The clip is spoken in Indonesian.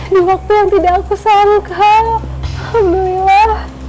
di waktu yang tidak aku sangka buah